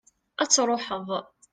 ad truḥeḍ